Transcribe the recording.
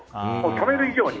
ためる以上に。